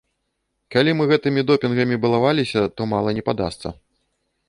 Калі мы гэтымі допінгамі балаваліся, то мала не падасца.